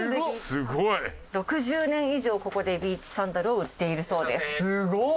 すごい！６０年以上ここでビーチサンダルを売っているそうです。